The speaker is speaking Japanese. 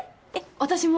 私も。